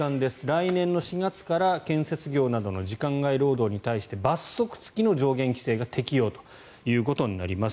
来年の４月から建設業などの時間外労働に対して罰則付きの上限規制が適用ということになります。